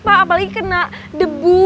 apalagi kena debu